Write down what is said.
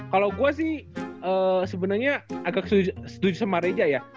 kalo gue sih sebenernya agak setuju sama reza ya